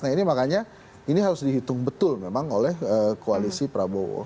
nah ini makanya ini harus dihitung betul memang oleh koalisi prabowo